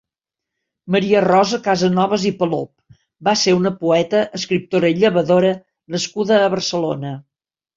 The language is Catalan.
Maria Rosa Casanovas i Palop va ser una poeta, escriptora i llevadora nascuda a Barcelona.